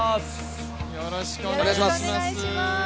よろしくお願いします。